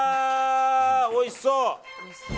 おいしそう！